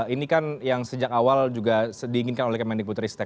ini kan yang sejak awal juga diinginkan oleh kemendik putristek